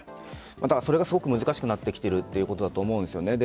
それがすごく難しくなってきているということだと思うんです。